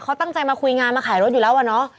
เขาตั้งใจมาคุยงานมาขายรถอยู่แล้วอะเนาะ